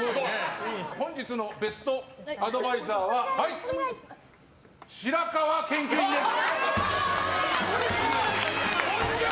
本日のベストアドバイザーは白河研究員です！